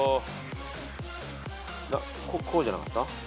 こうじゃなかった？